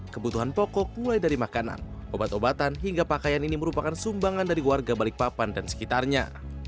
kebutuhan pokok mulai dari makanan obat obatan hingga pakaian ini merupakan sumbangan dari warga balikpapan dan sekitarnya